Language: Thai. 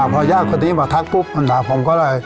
พออาหารเคนนี้มาทักปุ๊บมันทำผมก็เลย